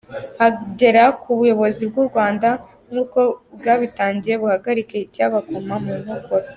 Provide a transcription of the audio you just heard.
Harageze ngo ubuyobozi bw’ u Rwanda nk’ uko bwabitangiye buhagarike icyabakoma mu nkokora”.